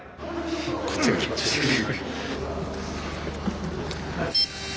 こっちが緊張してくる。